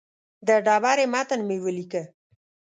د ډبرې متن مې ولیکه.